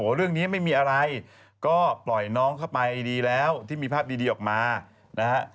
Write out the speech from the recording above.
เรื่องนี้ไม่มีอะไรก็ปล่อยน้องเข้าไปดีแล้วที่มีภาพดีออกมานะฮะ